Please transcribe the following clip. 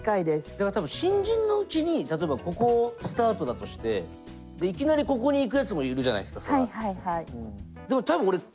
だから多分新人のうちに例えばここスタートだとしていきなりここに行くやつもいるじゃないですかそれは。